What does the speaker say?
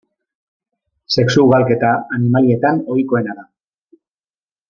Sexu ugalketa animalietan ohikoena da.